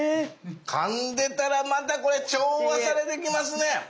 かんでたらまたこれ調和されてきますね。